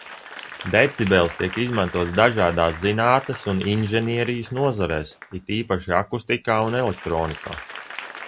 Decibels tiek izmantots dažādās zinātnes un inženierijas nozarēs, it īpaši akustikā un elektronikā.